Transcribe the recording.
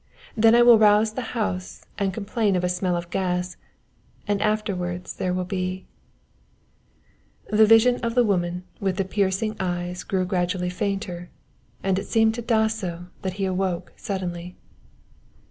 Then I will rouse the house and complain of a smell of gas, and afterwards there will be " The vision of the woman with the piercing eyes grew gradually fainter .... and it seemed to Dasso that he awoke suddenly.